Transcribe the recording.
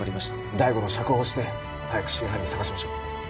大五郎を釈放して早く真犯人捜しましょう。